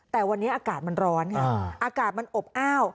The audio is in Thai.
แต่วันนี้อากาศมันร้อนค่ะอากาศมันอบอ้าว